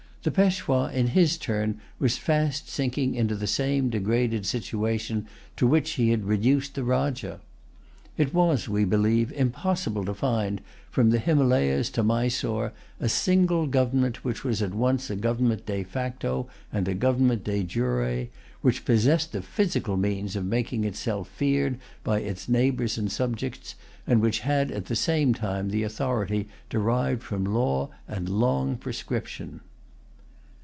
The Peshwa, in his turn, was fast sinking into the same degraded situation to which he had reduced the Rajah. It was, we believe, impossible to find, from the Himalayas to Mysore, a single government which was at once a government de facto and a government de jure, which possessed the physical means of making itself feared by its neighbors and subjects, and which had at the same time the authority derived from law and long prescription.